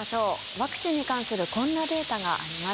ワクチンに関するこんなデータがあります。